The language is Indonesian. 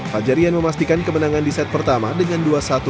fajar rian memastikan kemenangan di set pertama dengan dua satu enam belas